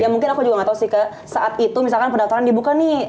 ya mungkin aku juga gak tau sih ke saat itu misalkan pendaftaran dibuka nih